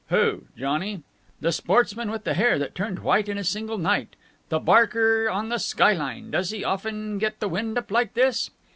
"Who? Johnny?" "The sportsman with the hair that turned white in a single night. The barker on the sky line. Does he often get the wind up like this?"